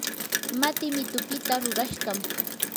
matii mitupita rurashqam.